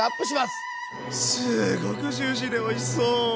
すごくジューシーでおいしそう。